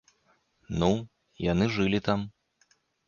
Ну, яны жылі там.